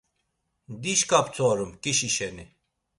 Dişǩa ptorum. ǩişi şeni.